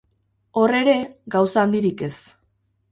Hor ere, gauza handirik ez.